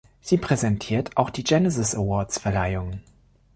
Sie präsentiert auch die Genesis Awards-Verleihungen.